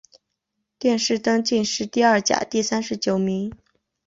殿试登进士第二甲第三十九名。